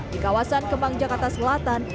di kawasan kemang jakarta selatan